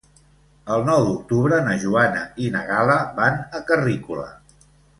El nou d'octubre na Joana i na Gal·la van a Carrícola.